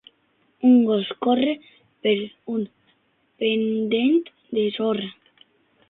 Un gos corre per un pendent de sorra